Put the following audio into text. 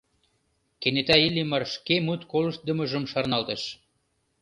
Кенета Иллимар шке мут колыштдымыжым шарналтыш.